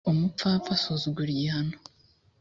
umupfapfa asuzugura igihano